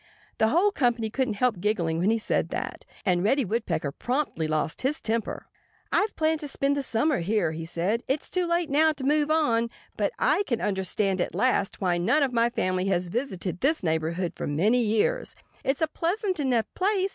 The whole company couldn't help giggling when he said that. And Reddy Woodpecker promptly lost his temper. "I've planned to spend the summer here," he said. "It's too late now to move on. But I can understand at last why none of my family has visited this neighborhood for many years. It's a pleasant enough place.